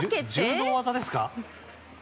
柔道技ですか？